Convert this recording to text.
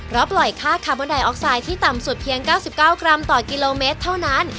เพราะปล่อยค่าคาร์บอนไดออกไซด์ที่ต่ำสุดเพียง๙๙กรัมต่อกิโลเมตรเท่านั้น